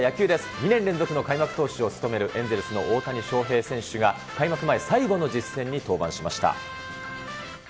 ２年連続開幕投手を務めるエンゼルスの大谷翔平選手が、開幕前最後の実戦に登板しました。